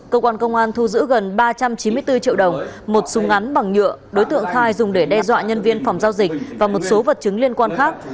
cơ quan công an thu giữ gần ba trăm chín mươi bốn triệu đồng một súng ngắn bằng nhựa đối tượng khai dùng để đe dọa nhân viên phòng giao dịch và một số vật chứng liên quan khác